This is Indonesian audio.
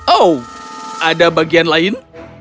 oh ada bagian lain